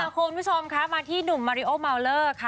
คุณผู้ชมคะมาที่หนุ่มมาริโอเมาเลอร์ค่ะ